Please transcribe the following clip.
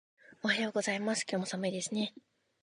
おはようございます。今日も寒いですね。